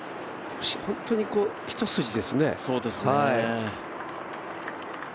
本当に一筋ですね。